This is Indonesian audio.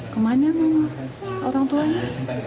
kemana nih orang tuanya